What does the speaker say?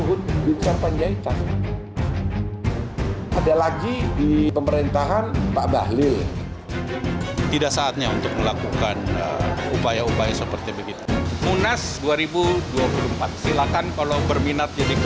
munas dua ribu dua puluh empat silakan kalau berminat jadi ketua bumuh golkar silakan